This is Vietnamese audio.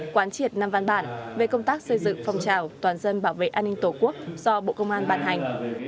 quán triệt năm văn bản về công tác xây dựng phong trào toàn dân bảo vệ an ninh tổ quốc do bộ công an bàn hành